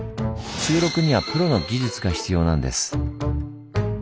収録にはプロの技術が必要なんです。